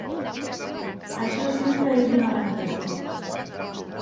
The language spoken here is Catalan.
Això sempre és un avantatge.